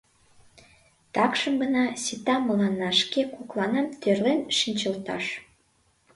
Такшым гын, сита мыланна шке кокланам тӧрлен шинчылташ.